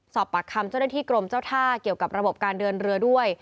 ปากคำเจ้าหน้าที่กรมเจ้าท่าเกี่ยวกับระบบการเดินเรือด้วย